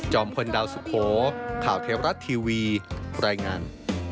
พลดาวสุโขข่าวเทวรัฐทีวีรายงาน